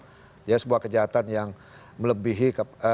jadi sebuah kejahatan yang melebihi